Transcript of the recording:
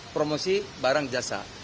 promosi barang jasa